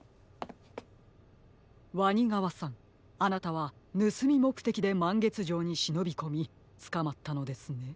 わにがわさんあなたはぬすみもくてきでまんげつじょうにしのびこみつかまったのですね。